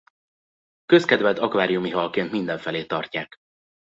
Közkedvelt akváriumi halként mindenfelé tartják.